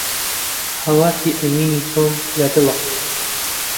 ئاواتی ئەوینی تۆم لە دڵە